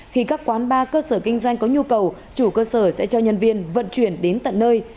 khi các quán bar cơ sở kinh doanh có nhu cầu chủ cơ sở sẽ cho nhân viên vận chuyển đến tận nơi